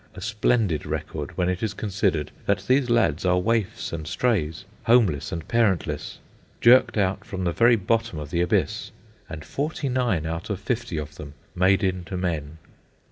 A splendid record, when it is considered that these lads are waifs and strays, homeless and parentless, jerked out from the very bottom of the Abyss, and forty nine out of fifty of them made into men.